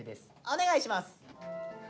お願いします。